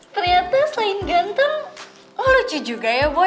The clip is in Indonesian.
ternyata selain ganteng lucu juga ya boy